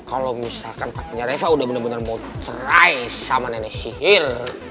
kalo misalkan papinya reva udah bener bener mau cerai sama nenek sihir